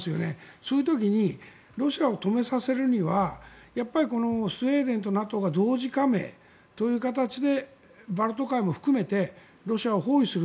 そういう時にロシアを止めさせるにはやっぱりスウェーデンとＮＡＴＯが同時加盟という形でバルト海も含めてロシアを包囲する。